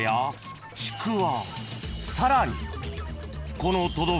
［さらに］